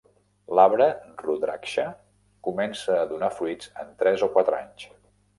L'arbre rudraksha comença a donar fruits en tres o quatre anys.